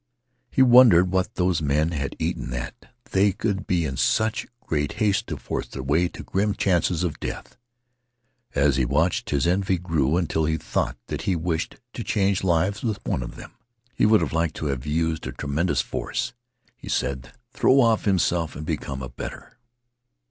He wondered what those men had eaten that they could be in such haste to force their way to grim chances of death. As he watched his envy grew until he thought that he wished to change lives with one of them. He would have liked to have used a tremendous force, he said, throw off himself and become a better.